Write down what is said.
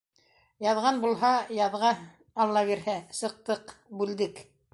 Яҙған булһа, яҙға, алла бирһә, сыҡтыҡ — бүлдек.